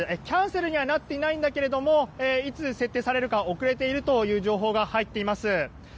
キャンセルにはなっていないけれどいつ設定されるか遅れているという情報が入っています。